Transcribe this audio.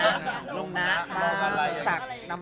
บางทีเค้าแค่อยากดึงเค้าต้องการอะไรจับเราไหล่ลูกหรือยังไง